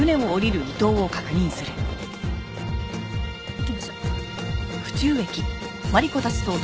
行きましょう。